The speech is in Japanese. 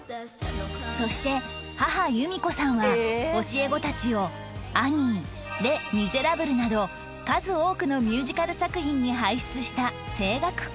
そして母由見子さんは教え子たちを『アニー』『レ・ミゼラブル』など数多くのミュージカル作品に輩出した声楽講師